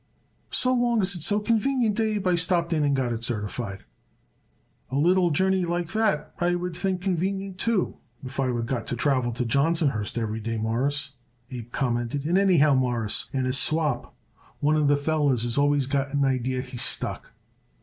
So long as it's so convenient, Abe, I just stopped in and got it certified." "A little journey like that I would think convenient, too, if I would got to travel to Johnsonhurst every day, Mawruss," Abe commented, "and anyhow, Mawruss, in a swap one of the fellers is always got an idee he's stuck."